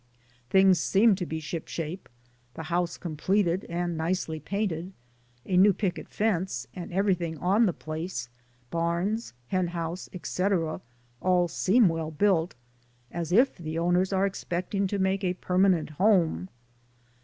Things seem to be shipshape, the house completed and nicely painted, a new picket fence, and everything on the place — barns, hen house, etc., all seem well built, as if the owners are expecting to make a per manent home.